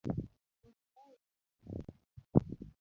Mos huru ahinya .